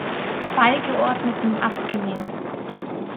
Beigeordneten abgelehnt.